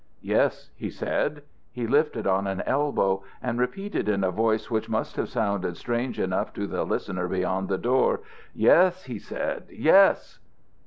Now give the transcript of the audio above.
"Yes," he said. He lifted on an elbow and repeated in a voice which must have sounded strange enough to the listener beyond the door. "Yes!" he said. "Yes!"